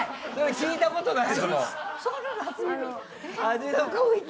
聞いたことない。